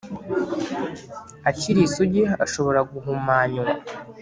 Akiri isugi, ashobora guhumanywa,